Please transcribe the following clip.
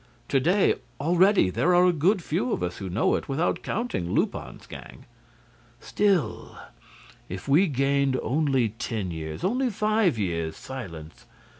To day, already, there are a good few of us who know it, without counting Lupin's gang." "Still, if we gained only ten years', only five years' silence!